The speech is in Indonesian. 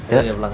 ya ya pulang